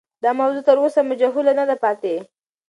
دا موضوع تر اوسه مجهوله نه ده پاتې.